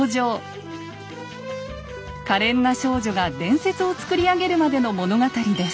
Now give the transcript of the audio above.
かれんな少女が伝説を作り上げるまでの物語です。